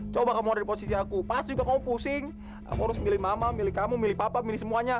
coba kamu dari posisi aku pas juga kamu pusing aku harus milih mama milih kamu milih papa milih semuanya